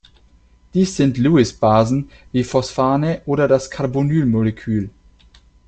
Dies sind Lewis-Basen wie Phosphane oder das Carbonyl-Molekül.